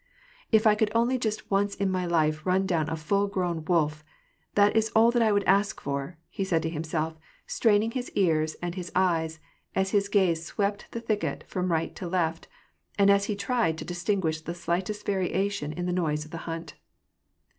" If I could only just once in my life run down a full grown wolf, that is all that I would ask for !" he said to himself, straining his ears and his eyes, as his gaze swept the thicket from left to right, and as he tried to distinguish the slightest variation in the noise of the hunt.